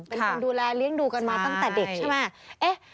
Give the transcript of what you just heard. เป็นคนดูแลเลี้ยงดูกันมาตั้งแต่เด็กใช่ไหม